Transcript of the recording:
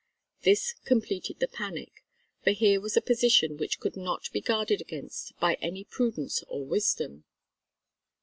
This completed the panic, for here was a position which could not be guarded against by any prudence or wisdom.